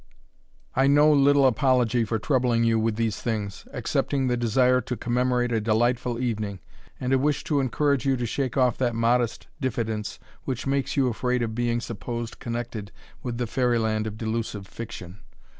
I know little apology for troubling you with these things, excepting the desire to commemorate a delightful evening, and a wish to encourage you to shake off that modest diffidence which makes you afraid of being supposed connected with the fairy land of delusive fiction.